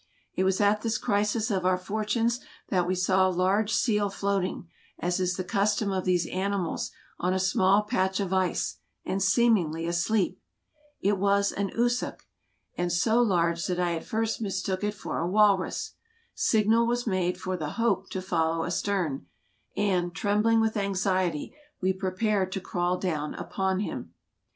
It was at this crisis of our fortunes that we saw a large seal floating — as is the custom of these animals — on a small patch of ice, and seemingly asleep. It was an ussuk, and AMERICA 169 so large that I at first mistook it for a walrus. Signal was made for the " Hope " to follow astern, and, trembling with anxiety, we prepared to crawl down upon him.